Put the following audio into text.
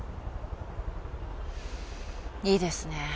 いいですね。